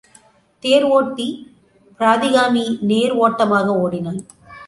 தேர் ஒட்டி பிராதிகாமி நேர் ஒட்டமாக ஓடினான்.